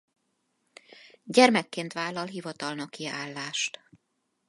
Gyermekként vállal hivatalnoki állást.